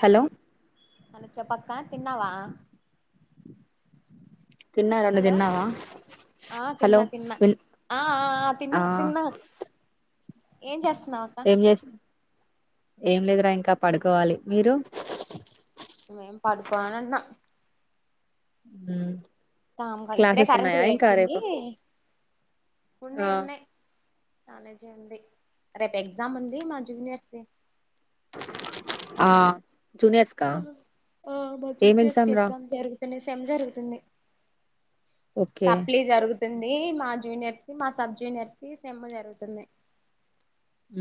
hello అన చెప్అక్క తిన్నావా తిన్నారా నువ్వు హలో తిన్నావా ఆ హలో తిన్నా తిన్నా విన్ ఆ ఆ తిన్నా తిన్నా ఏం చేస్తా ఏం చేస్ ఏం లేదురా ఇంకా పడుకోవాలి మీరు మేం పడుకొనేవున్నా ఉమ్ కామ్ గా ఇప్పుడే కరెంట్ పొయొచ్చింది ఆ ఉన్నాయి ఉన్నాయి కాలేజుంది రేపు ఎగ్జామ్ ఉంది మా జూనియర్స్ ఆ జూనియర్స్ కా ఆ మా ఏం జూనియర్స్ కి ఎగ్జామ్ రా ఎగజామ్ జరుగుతున్నాయి సెమ్ జరుగుతున్నాయి ఓకే సప్లి జరుగుతుంది మా జూనియర్స్ కి మా సబ్ జూనియర్స్ కి సేమ్ జరుగుతున్నై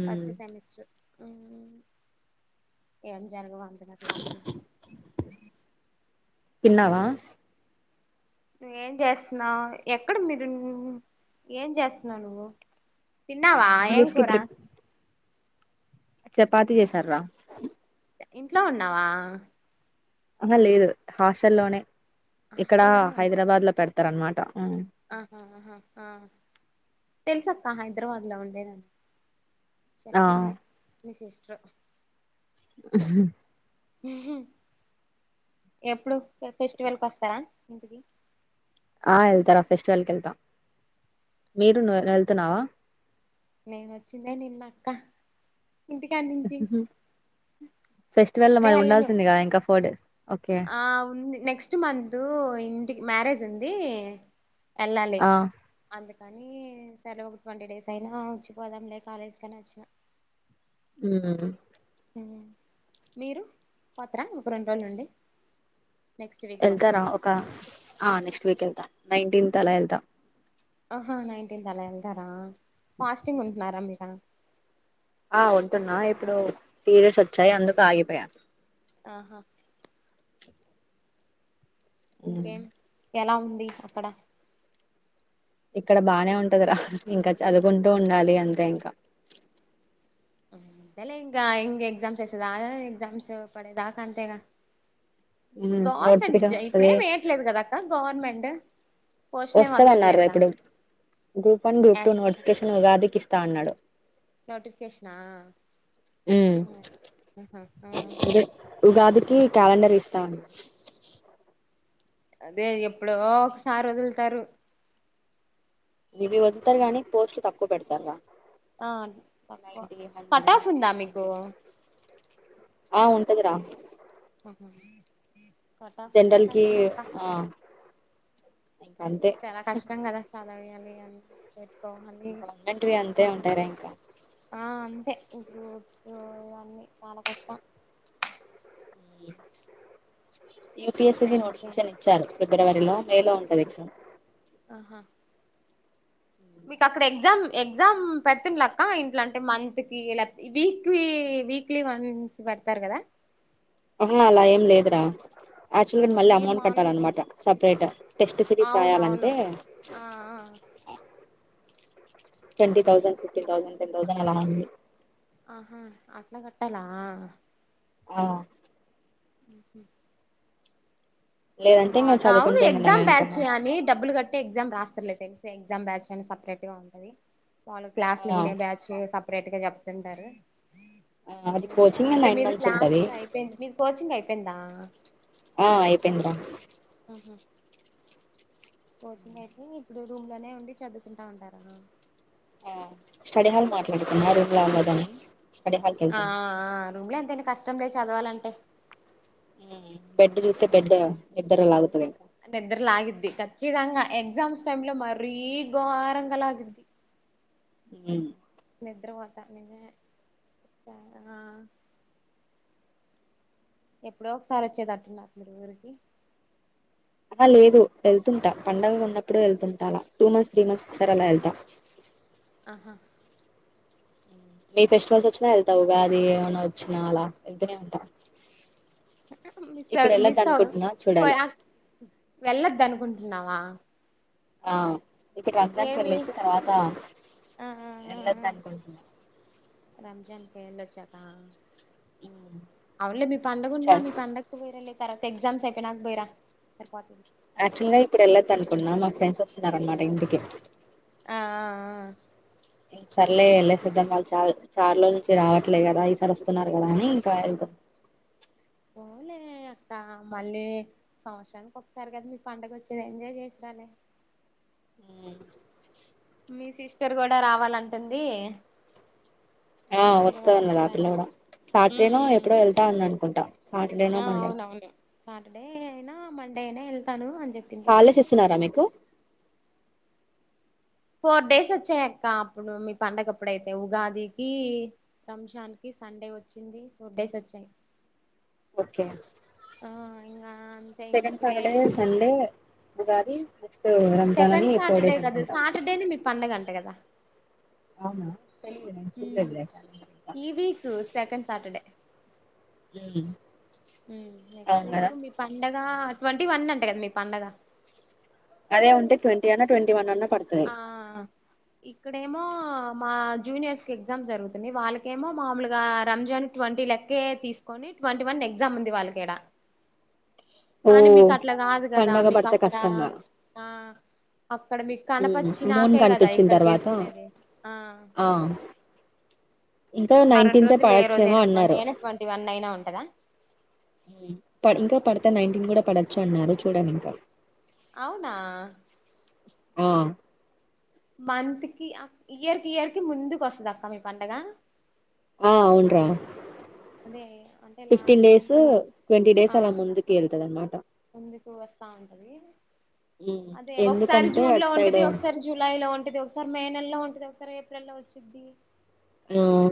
మ్మ్ ఫస్ట్ సెమిస్టర్ ఏం జరగవా ఎందుకంటే లాస్ట్ తిన్నావా నువ్వు ఏం చేస్తున్నా ఎక్కడ మీరు ఏం చేస్తున్నా నువ్వు తిన్నావా ఏం గ్రూప్స్ కి కూర ప్రిప్ చపాతి చేసార్రా ఇంట్లో ఉన్నావా ఆహ్ లేదు హాసల్లోనే ఇక్కడ హాస్టల్లోనే ఉన్నా హైదరాబాద్ లో పెడతార అనమాట తెలుసు అక్క హైదరాబాద్ లో ఉండేది ఆ చెప్పింది మీ సిస్టర్ ఉహ్మ్ ఎప్పుడు ఇగ ఫెస్టివల్ కి వస్తారా ఇంటికి ఆ వెళ్తారా ఫెస్టివల్ కెళ్తా మీరు నువ్ వెళ్తున్నావా మేము వచ్చిందే నిన్న అక్క ఇంటికాడ నుంచి ఫెస్టివల్ లో ఇప్పుడే మరి వెళ్ళను ఉండాల్సిందిగా ఇంకా ఫోర్ డేస్ ఓకే ఆ ఉంది నెక్స్ట్ మంతూ ఇంటికి మ్యారేజ్ ఉంది ఎల్లలి ఆ అందుకే కానీ సరే ఒక ట్వంటీ డేస్ అయినా వచ్చిపోదాంలేే కాలేజ్ కని వచ్చినా ఉమ్ మీరు పోతారా ఒక రెండు రోజులు ఉండి నెక్స్ట్ వీక్ పోతారా వెళ్తారా అలా ఒక నెక్స్ట్ వీక్ వెళ్తా నైన్టీన్త్ అలా వెళ్తా ఆహా నైన్టీన్త్ అలా వెళ్తారా ఫాస్టింగ్ ఉంటున్నారా మీర ఆ ఉంటున్నా ఇప్పుడు పీరియడ్స్ వచ్చాయి అందుకు ఆగిపోయా ఆహా ఇంకేం ఎలా ఉంది అక్కడ ఇక్కడ బానే ఉంటంది రా ఇంకా చదువుకుంటూ ఉండాలి అంతే ఇంకా అంతేలే ఇంకా ఎక్సామ్స్ వసద ఆ ఎక్సామ్స్ పడేదాకా అంతేరా గౌర్మెంట్ నోటిఫికేషన్ వస్తది ఇప్పుడేం వేయట్లేదు కదా అక్క గౌర్నమెంట్ వస్తంది అన్నారు ఇప్పుడు గ్రూప్ వన్ గ్రూప్ టూ వేస్తా నోటిఫికేషన్ ఉగాదికి ఇస్తా అన్నాడు నోటిఫికేషన్ ఆ ఉ ఆహా అ అదే ఉగాదికి క్యాలెండర్ ఇస్తా అన్నా అదే ఎప్పుడో ఒకసారి వదులుతారు ఇవి వదులుతారు కానీ పోస్ట్లు తక్కువ పెడతారు రా ఆ తక్కువ నైన్టీ హండ్రెడ్ కటాఫ్ ఉందా మీకు అంతే ఆ ఉంటదిరా కటాఫ్ ఉంటే జనరల్ కి ఆహ్ చాన కష్టం కదా అక్క ఆలా వేయాలి గవర్నమెంట్వి అంతే ఉంటాయిరా ఇంకా [unintelligible] తె ఇప్పుడు హ్హ్ ఇవన్నీ చాలా కష్టం హ్మ్ యు పి యస్ ది ఇంకే నోటిఫికేషన్ ఇచ్చారు ఫిబ్రవరిలో మేలో ఉంటది ఎగ్జామ్ ఆహా మీకు అక్కడ ఎగ్జామ్ ఎగ్జామ్ పెడుతుండలే అక్క ఇట్లా అంటే మంత్ కి లేపోతే వీక్ వి వీక్లీ వన్స్ పెడ్తారు కదా ఆహా అలా ఏం లేదురా ఆ యాక్టుల్ల్య్ గా మళ్ళీ మీరు అమౌంట్ మాములుగా కట్టాలన్నమాట సపరేట్ టెస్ట్ సిరీస్ రాయాలంటే అవునవును ఆ ఆ twenty thousand fifty thousand ten thousand ఆలా ఉంది ఆహా అట్లా కట్టాలా ఆ హ్మహమ్ లేదంటే మ ఇంగ అవును చదువుకుంటూ ఉండడమే ఎగజామ్ ఇంకా మనం బ్యాచ్చుని డబ్బులు కట్ అ ఎగ్జామ్ రాస్తారులేదు తెలిసి ఎగ్జామ్ బ్యాచ్ అని సెపరేటగా ఉంటది మాములుగా క్లాలు ఆ వినే బ్యాచ్ సెప్ సెపరేటగా చెప్తుంటారు ఆ అది కోచింగ్ అంటే నైన్ మీది మంత్స్ క్లాస్ ఉంటది లో అయిపోయింది మీది కోచింగ్ అయిపోయిందా ఆ అయిపోయింద్ర ఆహా కోచింగ్ అయిపోయి ఇప్పుడు రూమ్లోనే ఉండి చదువుకుంటు ఉంటారా ఆ స్టడీ హాల్ మాట్లాడుకూన రూమ్ లో వుండడానీకి ఆఆ రూంలే ఎంతైనా కష్టం లే చదవాలంటే హ్మ్ బెడ్ చూస్తే బెడు నీద్దరలాగతుంది నిద్ర లాగిద్ది కచ్చితంగా ఎగ్జామ్స్ టైంలో మరీ ఘోరంగా లాగిద్ది హ్మ్ నిద్రవొతాను నేనే ఎప్పుడో ఒకసారి వచ్చేదాట్ల మీరు ఊరికి అలా లేదు ఏళ్తుంటా పండుగ ఉన్నప్పుడు ఏళ్తుంటా అలా టూ మంత్స్ త్రీ మంత్స్ ఒకసారి అలా ఎల్తా ఆ మీ ఫెస్టివల్స్ వచ్చినా వెళ్తా ఉగాది ఏమన్నా వచ్చినా అలా ఎల్తానే ఉంటా హ మిస్ అ ఇప్పుడు వెళ్ళొద్దు మిస్ అ అనుకుంటున్నా పో చూడాలి వెళ్ళదు అనుకుం న్నావా ఆ ఇక్కడ వదానికి వెళ్లేసి తర్వాత వెళ్లొదనుకుంటున్నాము రంజన్ వెళొచ్చాక అవులే మీ చ పండగఉండలే మీ పండగకు వేరే లే తర్వాత ఎగ్జామ్స్ అయిపోయినాక పోయిరా సరిపోతు యాక్చువల్ గా ఇప్పుడు వెళ్ళద్ అనుకున్నా మా ఫ్రెండ్స్ వస్తునర్అనమాట ఇంటికి ఆ ఆ ఆ ఇం సర్లే ఏలేసోదం వాళ్ళ చ చాలరోజుల నుంచి రావట్లే కదా ఈసారి వస్తున్నారు కదా అని ఇంకా అ మళ్ళీ సంవత్సరానికి ఒకసారి కదా మీ పండగ వచ్చేది ఎంజాయ్ చేసిరాలి హ్మ్ మీ సిస్టర్ కూడా రావాలంటుందీ ఆ వస్తాన్నది ఆ పిల్ల కూడా ఉమ్ సార్డేనో ఉమ్ ఎప్పుడో వెళ్తా అని అనుకుంటాం సాటర్డేనో ఆ మండనో టేనే ఎళ్తాను హాలిడేస్ ఇస్తున్నారా మీకు ఫోర్ డేస్ ఓచ్చాయక్క అప్పుడు మీ పండగప్పుడైతే ఉగాదికి రంషాన్ కీ సండే ఓచ్చింది ఫోర్డేసోచ్చాయి ఓకే ఆ ఇంగా second Saturday, Sunday, Ugadi Ramzan second అని ఫోర్ సాటర్డే డేస్ కద అనుకుంటా సాటర్డేనే మీ పండగంట గదా ఆవ్నా తెలిద్లే నను చులేద్లే కాల ఈ ఉహ్ నేక్స్ట్ అవును కదా వీక్ మీ పండగ ట్వంటీ వన్ అంట గదా మీ పండగ అదే ఉంటే ట్వంటీ అన్నా, ట్వంటీ వన్ అన్నా పడుతది ఆహ్ ఇక్కడేమో మా జూనియర్స్కి ఎగ్జామ్ జరుగుతుంది వాళ్ళకేమో మామూలుగా రంజాన్ ట్వ ట్వంటీ లెక్కే తీసుకొని ట్వంటీ వన్ ఎగ్జాముంది వాళ్ళకిడ ఓ కదా పండగ మీకు పడతే అక్కడ కష్టంగా ఆ అక్కడ మీకు మూన్ కనపచ్చినాకే కదా కనిపించిన ఇక్కడ తర్వాత చేసుకునేది ఆ ఆ ఇంకా ఆ రెండు నైన్టీన్తే రోజులు ఏ రోజు పడొచ్చేమో అయినా ట్వంటీ అన్నారు అయినా ట్వంటీ వన్ అయినా ఉంటదా ఇంకా పడితే నైన్టీన్ కూడా పడచ్చు అన్నారు చూడండాలింకా అవునా ఆ మంత్కి ఇయర్ కి ఇయర్ కి ముందుకు వస్తాద అక్క మీ పండగ ఆ ఆవును రా అదే అంటే last fifteen days, time twenty ఆ డేస్ అలా ముందు కేేలుతదనమాట ముందుకు ఓస్తా ఉంటది ఉమ్ అదే ఒక్కసారి ఎందుకంటే జూన్లో అటు సైడ్ ఉంటది ఒక్కసారి జులై లో ఉంటది ఒక్కసారి మే నెలలో ఉంటంది ఒక్కసారి ఏప్రిల్ లోచ్చిది ఆహ్